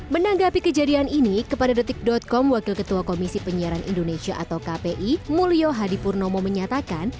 menanggapi kejadian ini kepada detik com wakil ketua komisi penyiaran indonesia atau kpi mulyo hadipurnomo menyatakan